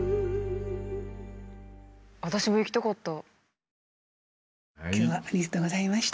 私も行きたかった。